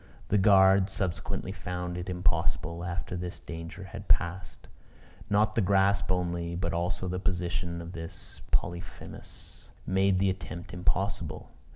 The guard subsequently found it impossible, after this danger had passed. Not the grasp only, but also the position of this Polyphemus, made the attempt impossible.